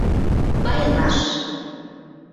— Пайлаш!